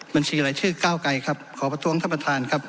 บัญชีรายชื่อก้าวไกรครับขอประท้วงท่านประธานครับ